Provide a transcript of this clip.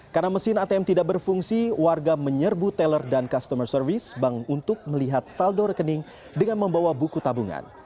karena mesin atm tidak berfungsi warga menyerbu teller dan customer service bank untuk melihat saldo rekening dengan membawa buku tabungan